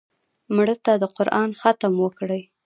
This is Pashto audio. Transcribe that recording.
مړه ته د قرآن ختم وکړې